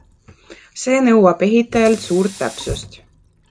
See nõuab ehitajalt suurt täpsust.